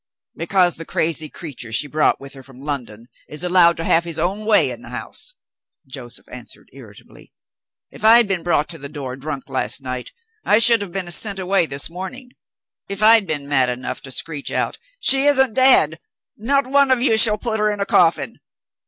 "Because the crazy creature she brought with her from London is allowed to have his own way in the house," Joseph answered irritably. "If I had been brought to the door drunk last night, I should have been sent away this morning. If I had been mad enough to screech out, 'She isn't dead; not one of you shall put her in a coffin!'